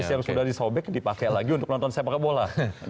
yang sudah disobek dipakai lagi untuk nonton sepak bola